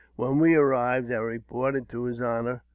When we arrived, I reported to his honour.